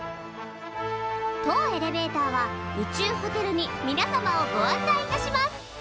当エレベーターは宇宙ホテルにみなさまをご案内いたします！